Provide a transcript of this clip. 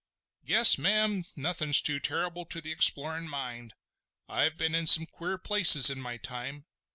"Guess, ma'am, nothin's too terrible to the explorin' mind. I've been in some queer places in my time.